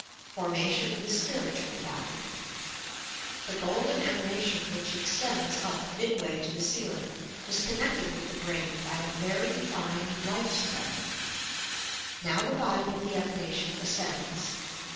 FORMATION OP THE SPIRITUAL BODY "The golden emanation which extends up midway to the ceiling is connected with the brain by a veiy fine 3 302 YOUR PSYCHIC POWERS ]ife thread. Now the body of the emanatioQ ascends.